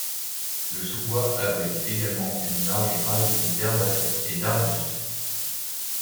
Le sous-bois abrite également une large variété d'herbacées et d'arbustes.